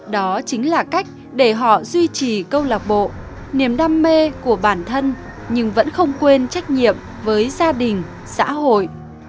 đó chính là cách để họ duy trì câu lạc bộ niềm đam mê của bản thân nhưng vẫn không quên trách nhiệm với gia đình xã hội